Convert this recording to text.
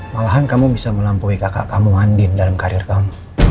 malahan kamu bisa melampaui kakak kamu andin dalam karir kamu